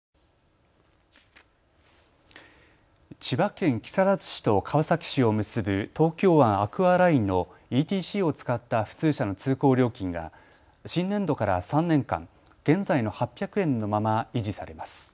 千葉県木更津市と川崎市を結ぶ東京湾アクアラインのＥＴＣを使った普通車の通行料金が新年度から３年間、現在の８００円のまま維持されます。